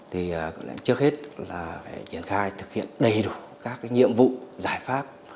thì trước hết là phải triển khai thực hiện đầy đủ các nhiệm vụ giải pháp